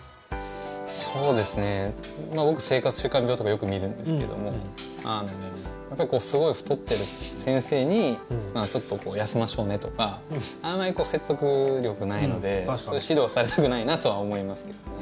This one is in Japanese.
僕、生活習慣病とかよく診るんですけどもすごい太っている先生にちょっと痩せましょうねとかあまり説得力ないので指導されたくないなとは思いますけどね。